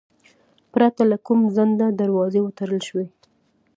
پرته له کوم ځنډه دروازې وتړل شوې.